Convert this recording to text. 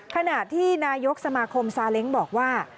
ขณะที่นายกสมาคมซาเล้งบอกว่า